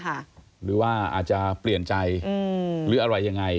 หรือว่าอาจจะเปลี่ยนใจหรืออะไรยังไง